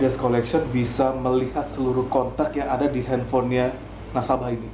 desk collection bisa melihat seluruh kontak yang ada di handphonenya nasabah ini